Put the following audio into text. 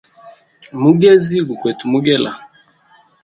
Mugezi gu kwete mugela.